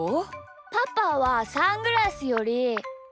パパはサングラスより。